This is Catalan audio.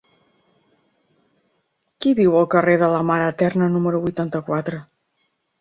Qui viu al carrer de la Mare Eterna número vuitanta-quatre?